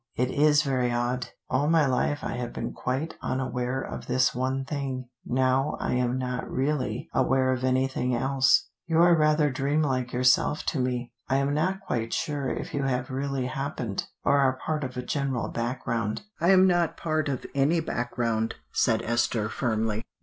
It is very odd: all my life I have been quite unaware of this one thing, now I am not really aware of anything else. You are rather dream like yourself to me: I am not quite sure if you have really happened, or are part of a general background." "I am not part of any background," said Esther firmly.